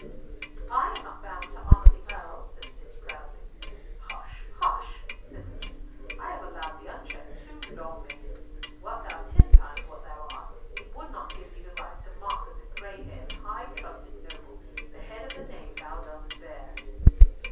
"I am not bound to honour the Earl," said Cis, proudly. "Hush, hush!" said Richard. "I have allowed thee unchecked too long, maiden. Wert thou ten times what thou art, it would not give thee the right to mock at the gray haired, highly trusted noble, the head of the name thou dost bear."